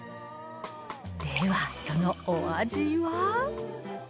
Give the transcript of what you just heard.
では、そのお味は？